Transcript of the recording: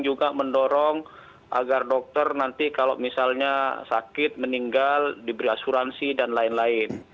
juga mendorong agar dokter nanti kalau misalnya sakit meninggal diberi asuransi dan lain lain